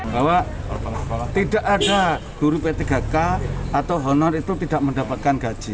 bahwa tidak ada guru p tiga k atau honor itu tidak mendapatkan gaji